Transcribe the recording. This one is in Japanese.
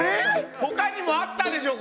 ほかにもあったでしょう